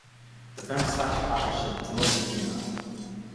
The femslash authorship is mostly female.